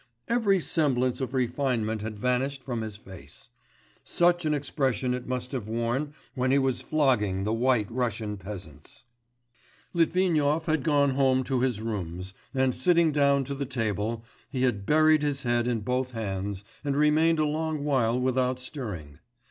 Every semblance of refinement had vanished from his face. Such an expression it must have worn when he was flogging the White Russian peasants. Litvinov had gone home to his rooms, and sitting down to the table he had buried his head in both hands, and remained a long while without stirring.